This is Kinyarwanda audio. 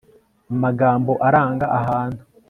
amagambo aranga ahantu